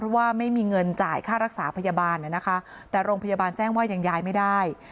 เพราะว่าไม่มีเงินจ่ายค่ารักษาพยาบาลนะคะแต่โรงพยาบาลแจ้งว่ายังย้ายไม่ได้